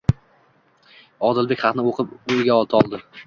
Odilbek xatni o'qib, o'yga toldi.